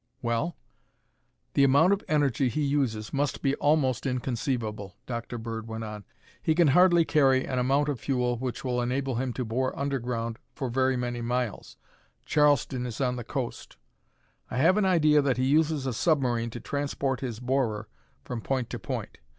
"Well?" "The amount of energy he uses must be almost inconceivable," Dr. Bird went on. "He can hardly carry an amount of fuel which will enable him to bore underground for very many miles, Charleston is on the coast. I have an idea that he uses a submarine to transport his borer from point to point.